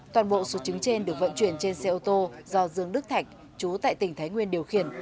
toàn bộ số trứng trên được vận chuyển trên xe ô tô do dương đức thạch chú tại tỉnh thái nguyên điều khiển